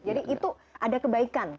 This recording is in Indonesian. jadi itu ada kebaikan